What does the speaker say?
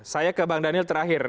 saya ke bang daniel terakhir